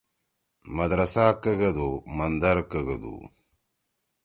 مدرسہ کگَدُو مندر کگَدُو